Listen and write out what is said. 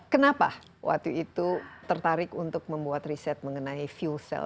kenapa waktu itu tertarik untuk membuat riset mengenai fuel cell